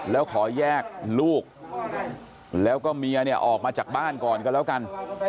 แล้วขอแยกลูกแล้วก็เมียเนี่ยออกมาจากบ้านก่อนก็แล้วกัน